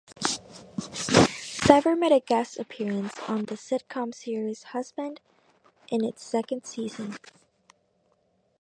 Cryer made a guest appearance on the sitcom series "Husbands" in its second season.